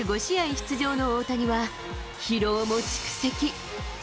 出場の大谷は疲労も蓄積。